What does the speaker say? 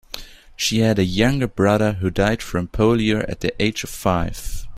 She had a younger brother who died from polio at the age of five.